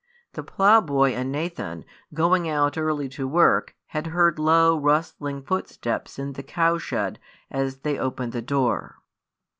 The ploughboy and Nathan, going out early to work, had heard low, rustling footsteps in the cow shed as they opened the door.